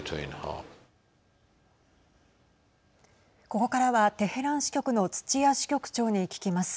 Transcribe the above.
ここからは、テヘラン支局の土屋支局長に聞きます。